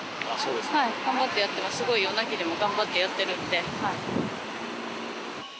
すごい夜泣きでも頑張ってやってるんで。